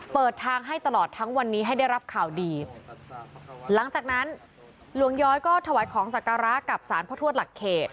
เปิดทางให้ตลอดทั้งวันนี้ให้ได้รับข่าวดีหลังจากนั้นหลวงย้อยก็ถวายของสักการะกับสารพระทวดหลักเขต